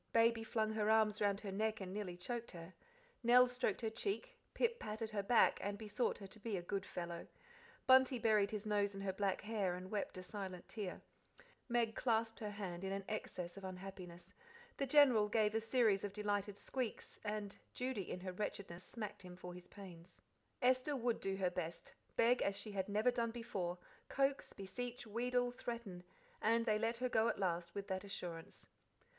Baby flung her arms round her neck and nearly choked her; Nell stroked her cheek; Pip patted her back, and besought her to "be a good fellow"; Bunty buried his nose in her back hair and wept a silent tear; Meg clasped her hand in an access of unhappiness; the General gave a series of delighted squeaks; and Judy in her wretchedness smacked him for his pains. Esther would do her best, beg as she had never done before, coax, beseech, wheedle, threaten; and they let her go at last with that assurance.